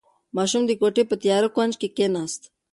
ماشوم د کوټې په یوه تیاره کونج کې کېناست.